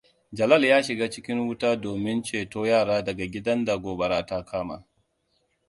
Jalal ya shiga cikin wuta domin ceto yara daga gidan da gobara ta kama.